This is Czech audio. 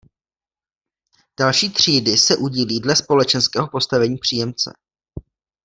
Další třídy se udílí dle společenského postavení příjemce.